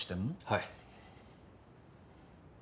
はい。